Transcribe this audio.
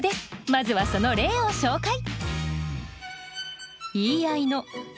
まずはその例を紹介。